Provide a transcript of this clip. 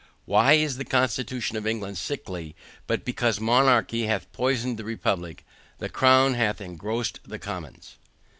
Why is the constitution of England sickly, but because monarchy hath poisoned the republic, the crown hath engrossed the commons?